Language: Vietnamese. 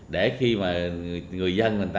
để khi người dân